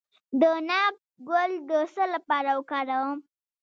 د ناک ګل د څه لپاره وکاروم؟